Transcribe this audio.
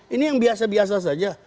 ini yang biasa biasa saja